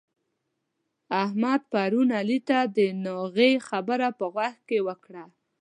احمد پرون علي ته د ناغې خبره په غوږ کې ورکړه.